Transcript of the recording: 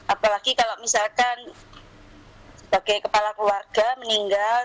apalagi kalau misalkan sebagai kepala keluarga meninggal